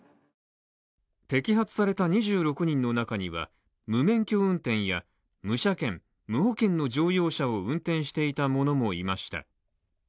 摘発された２６人の中には、無免許運転や無車検、無保険の乗用車を運転していた者もいました。